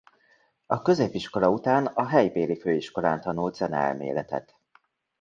A középiskola után a helybéli főiskolán tanult zeneelméletet.